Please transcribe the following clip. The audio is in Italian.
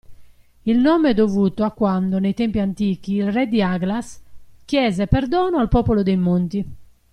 Il nome è dovuto a quando, nei tempi antichi, il Re di Aglaas chiese perdono al popolo dei Monti.